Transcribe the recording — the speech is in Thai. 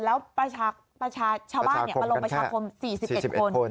แล้วประชาชนมาลงประชาคม๔๑คน